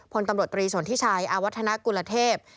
ผลตำรวจตรีสนที่ชายอกุณเทพ